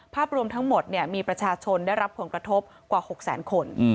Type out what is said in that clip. ภาพรวมทั้งหมดมีประชาชนได้รับผลกระทบกว่า๖แสนคน